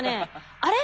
あれ？